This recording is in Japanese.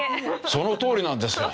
そのとおりなんですよ。